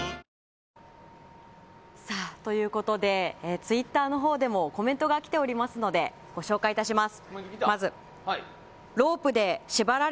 ⁉ツイッターのほうでもコメントが来ておりますのでご紹介いたします。